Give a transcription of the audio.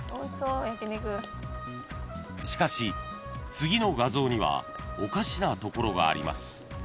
［しかし次の画像にはおかしなところがあります］